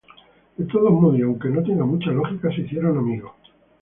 De todos modos, y aunque no tenga mucha lógica, se hicieron amigos.